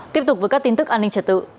tiếp tục với các tin tức an ninh trật tự